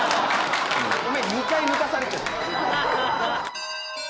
お前２回抜かされてる。